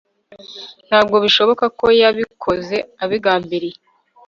Ntabwo bishoboka ko yabikoze abigambiriye